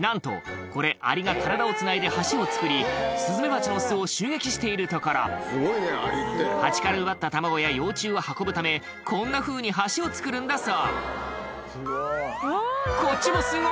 なんとこれアリが体をつないで橋を作りスズメバチの巣を襲撃しているところハチから奪った卵や幼虫を運ぶためこんなふうに橋を作るんだそうこっちもすごい！